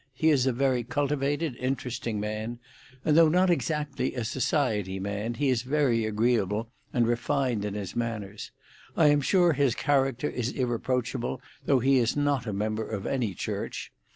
He is a very cultivated, interesting man; and though not exactly a society man, he is very agreeable and refined in his manners. I am sure his character is irreproachable, though he is not a member of any church.